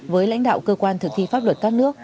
với lãnh đạo cơ quan thực thi pháp luật các nước